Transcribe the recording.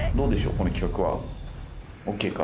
この企画はＯＫか？